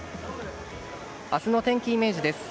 明日の天気イメージです。